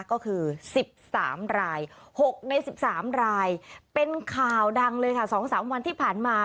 ก็คือสิบสามรายหกในสิบสามรายเป็นข่าวดังเลยค่ะสองสามวันที่ผ่านมา